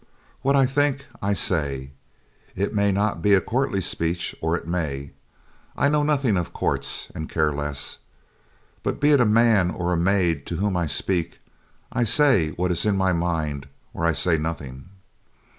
"What I think, I say. It may not be a courtly speech or it may. I know nothing of courts and care less, but be it man or maid to whom I speak, I say what is in my mind or I say nothing.